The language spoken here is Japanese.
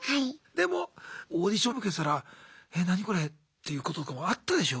でもオーディション受けてたら「え何これ」っていうこととかもあったでしょ？